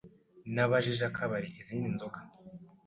Nabajije akabari izindi nzoga.